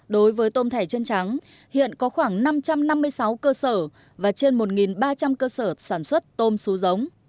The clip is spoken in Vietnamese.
đối với tôm thẻ chân trắng hiện có khoảng năm trăm năm mươi sáu cơ sở và trên một ba trăm linh cơ sở sản xuất tôm xú giống